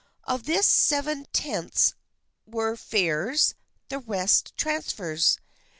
Of this seven tenths were fares, the rest transfers.